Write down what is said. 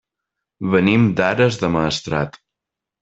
Venim d'Ares del Maestrat.